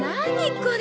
これ。